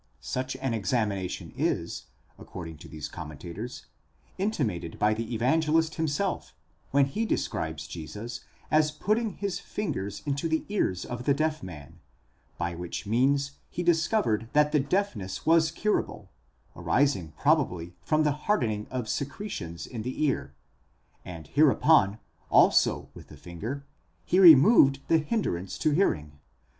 Such an examination is, according to these commentators, intimated by the Evangelist himself, when he describes Jesus as putting his fingers into the ears of the deaf man, by which means he discovered that the deafness was curable, aris ing probably from the hardening of secretions in the ear, and hereupon, also with the finger, he removed the hindrance to hearing.